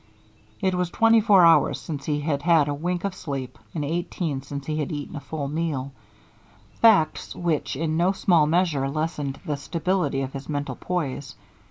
It was twenty four hours since he had had a wink of sleep and eighteen since he had eaten a full meal facts which in no small measure lessened the stability of his mental poise.